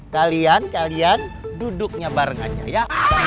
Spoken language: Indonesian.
kalian kalian duduknya bareng aja ya